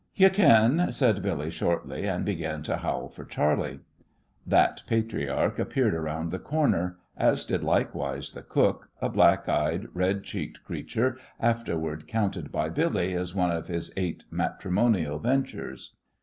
"You kin," said Billy, shortly, and began to howl for Charley. That patriarch appeared around the corner, as did likewise the cook, a black eyed, red cheeked creature, afterward counted by Billy as one of his eight matrimonial ventures.